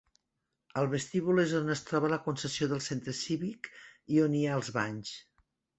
El vestíbul és on es troba la concessió del centre cívic i on hi ha els banys.